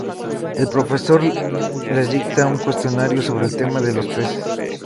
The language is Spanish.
El profesor les dicta un cuestionario sobre el tema de los peces.